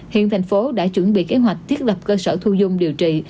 hiện thành phố đã chuẩn bị kế hoạch thiết lập cơ sở thu dung điều trị